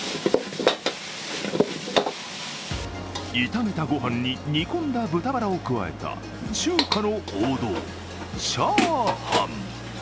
炒めたご飯に煮込んだ豚バラを加えた中華の王道、チャーハン。